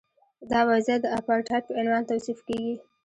دا وضعیت د اپارټایډ په عنوان توصیف کیږي.